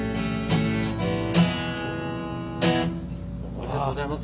ありがとうございます。